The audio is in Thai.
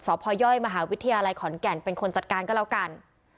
พยมหาวิทยาลัยขอนแก่นเป็นคนจัดการก็แล้วกัน